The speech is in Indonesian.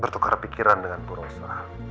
bertukar pikiran dengan bu rosa